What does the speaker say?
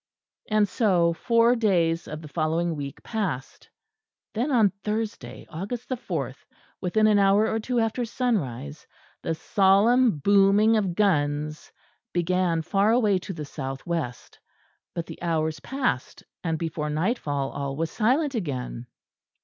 And so four days of the following week passed; then on Thursday, August the fourth, within an hour or two after sunrise, the solemn booming of guns began far away to the south west; but the hours passed; and before nightfall all was silent again.